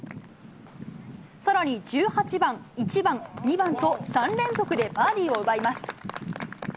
さらに１８番、１番、２番と３連続でバーディーを奪います。